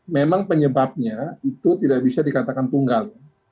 memang penyebabnya itu tidak bisa dikatakan tunggal